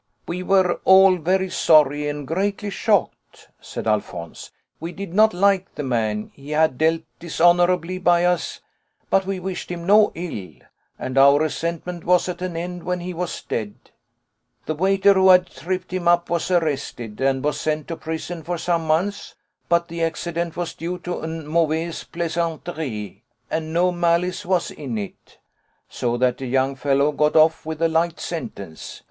"We were all very sorry and greatly shocked," said Alphonse; "we did not like the man, he had dealt dishonourably by us, but we wished him no ill, and our resentment was at an end when he was dead. The waiter who had tripped him up was arrested, and was sent to prison for some months, but the accident was due to une mauvaise plaisanterie and no malice was in it, so that the young fellow got off with a light sentence.